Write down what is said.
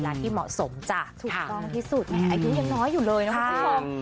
แล้วต่อไปก็จะไหลเข้ามา